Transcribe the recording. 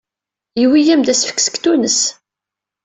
Yewwi-am-d asefk seg Tunes.